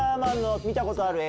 見たことある？